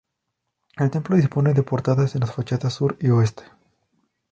El templo dispone de portadas en las fachadas sur y oeste.